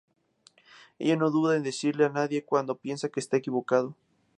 Ella no duda en decirle a nadie cuando piensa que está equivocado.